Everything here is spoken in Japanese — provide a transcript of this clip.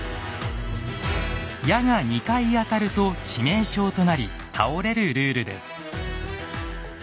矢が２回当たると致命傷となり倒れるルールです。